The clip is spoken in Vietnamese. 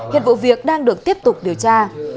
hiện vụ việc đang được tiếp tục điều tra